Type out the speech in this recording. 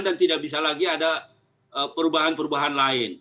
dan tidak bisa lagi ada perubahan perubahan lain